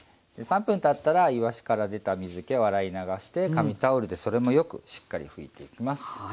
３分たったらいわしから出た水けを洗い流して紙タオルでそれもよくしっかり拭いていきます。